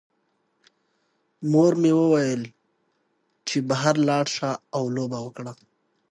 مور مې وویل چې بهر لاړ شه او لوبه وکړه.